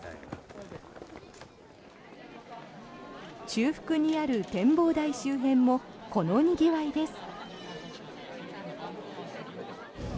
中腹にある展望台周辺もこのにぎわいです。